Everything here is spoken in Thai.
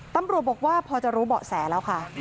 ตำรวจบอกว่าพอจะรู้เบาะแสแล้วค่ะ